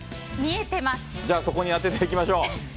そこに当てていきましょう。